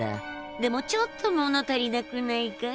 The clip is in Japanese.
でもちょっと物足りなくないかい？